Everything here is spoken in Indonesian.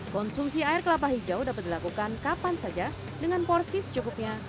konsumsi air kelapa hijau dapat dilakukan kapan saja dengan porsi secukupnya